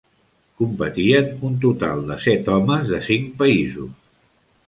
Competien un total de set homes de cinc països.